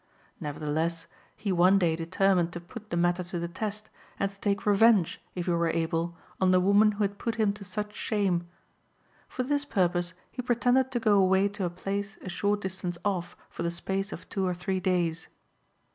Nevertheless, he one day determined to put the matter to the test, and to take revenge, if he were able, on the woman who had put him to such shame. For this purpose he pretended to go away to a place a short distance off for the space of two or three days.